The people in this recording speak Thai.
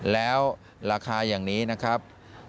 แล้วราคาอย่างนี้นะครับ